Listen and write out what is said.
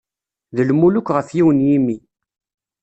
D lmuluk ɣef yiwen n yimi.